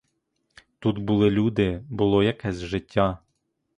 Тут були люди, було якесь життя.